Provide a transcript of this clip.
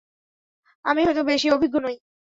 আমি হয়তো বেশী অভিজ্ঞ নই।